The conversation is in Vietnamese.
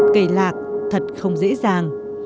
cây lạc thật không dễ dàng